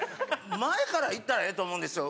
前からいったらええと思うんですよ。